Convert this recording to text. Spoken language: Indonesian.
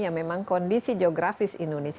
ya memang kondisi geografis indonesia